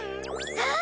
ああ！